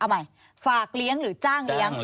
เอาใหม่ฝากเลี้ยงหรือจ้างเลี้ยง